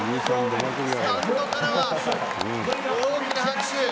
スタンドからは大きな拍手。